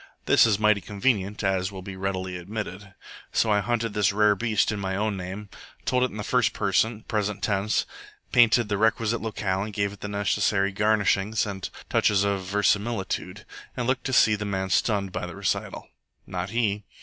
This is mighty convenient, as will be reality admitted. So I hunted this rare beast in my own name, told it in the first person, present tense, painted the requisite locale, gave it the necessary garnishings and touches of verisimilitude, and looked to see the man stunned by the recital. Not he.